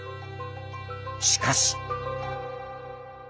しかし。